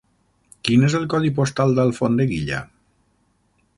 Quin és el codi postal d'Alfondeguilla?